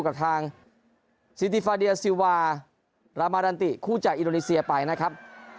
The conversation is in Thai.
กับทางซิติฟาเดียซิวารามารันติคู่จากอินโดนีเซียไปนะครับ